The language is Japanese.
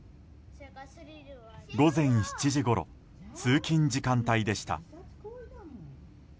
午前７時ごろ通勤時間帯でした。